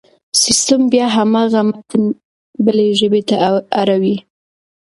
سيستم بيا هماغه متن بلې ژبې ته اړوي.